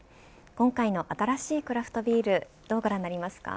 今回の新しいクラフトビールどうご覧になりますか。